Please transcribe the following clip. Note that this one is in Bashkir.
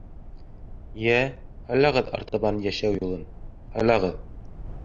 Йә, һайлағыҙ артабан йәшәү юлын, һайлағыҙ.